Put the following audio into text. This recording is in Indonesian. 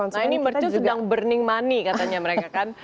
nah ini mercu sedang burning money katanya mereka kan